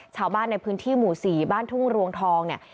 ชาวบ้านในพื้นที่หมู่๔บ้านทุ่งรวงทองเนี่ย